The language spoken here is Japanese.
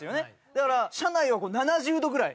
だから、車内は７０度くらい。